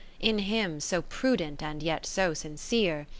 In him so prudent, and yet so sincere.